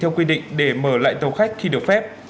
theo quy định để mở lại tàu khách khi được phép